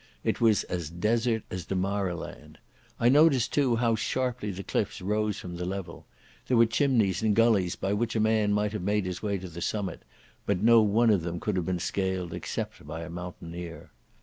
It was as desert as Damaraland. I noticed, too, how sharply the cliffs rose from the level. There were chimneys and gullies by which a man might have made his way to the summit, but no one of them could have been scaled except by a mountaineer.